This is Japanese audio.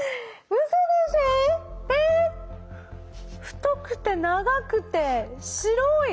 太くて長くて白い。